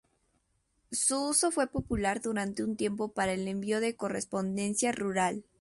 Su uso fue popular durante un tiempo para el envío de correspondencia rural.